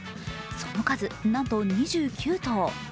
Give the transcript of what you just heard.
その数、なんと２９頭。